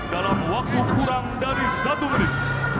dalam waktu kurang dari satu menit